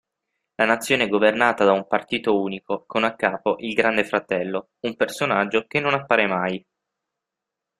La nazione è governata da un partito unico con a capo Il Grande Fratello, un personaggio che non appare mai.